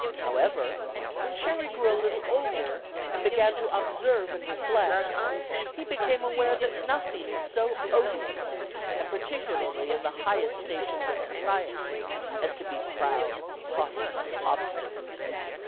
However, when Cherry grew a little older, and began to observe and reflect, be became aware that nothing is so odious, and par ticularly in the highest stations of society, as to be proud, haughty and obstinate.